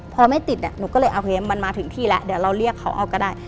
พอไม่ติดหนูก็เลยโอเคมันมาถึงที่แล้วเดี๋ยวเราเรียกเขาเอาก็ได้